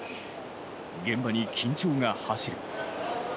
現場に緊張が走る。